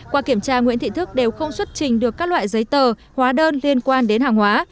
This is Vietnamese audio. qua kiểm tra nguyễn thị thức đều không xuất trình được các loại giấy tờ hóa đơn liên quan đến hàng hóa